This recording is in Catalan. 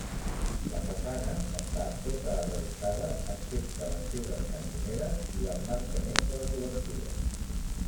La façana està tota arrebossada excepte les pedres cantoneres i l'emmarcament de les obertures.